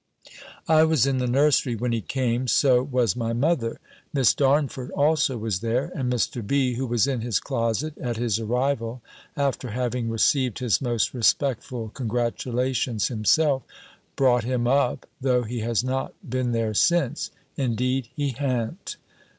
I was in the nursery when he came. So was my mother. Miss Darnford also was there. And Mr. B., who was in his closet, at his arrival, after having received his most respectful congratulations himself, brought him up (though he has not been there since: indeed he ha'n't!)